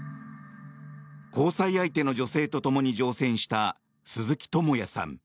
交際相手の女性とともに乗船した鈴木智也さん。